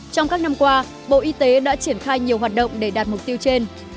trong các năm qua bộ y tế đã triển khai nhiều hoạt động để đạt mục tiêu trên